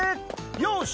よし！